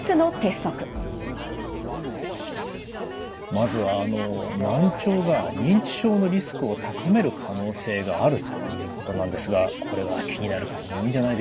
まずは難聴が認知症のリスクを高める可能性があるということなんですがこれは気になる方も多いんじゃないでしょうか。